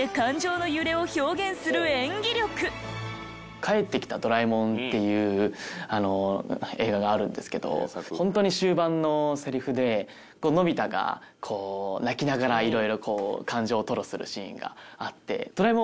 『帰ってきたドラえもん』っていう映画があるんですけど本当に終盤のセリフでのび太がこう泣きながらいろいろこう感情を吐露するシーンがあって。